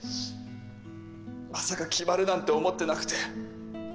まさか決まるなんて思ってなくて。